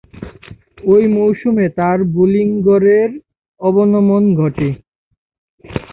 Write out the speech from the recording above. ঐ মৌসুমে তার বোলিং গড়ের অবনমন ঘটে।